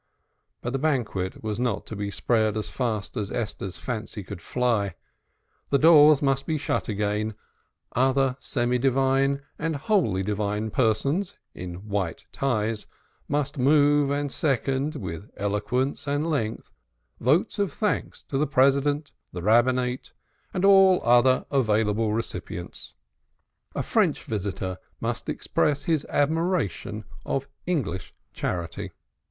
But the banquet was not to be spread as fast as Esther's fancy could fly; the doors must be shut again, other semi divine and wholly divine persons (in white ties) must move and second (with eloquence and length) votes of thanks to the President, the Rabbinate, and all other available recipients; a French visitor must express his admiration of English charity.